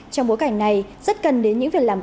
trong bối cảnh này rất gần đến những việc làm cần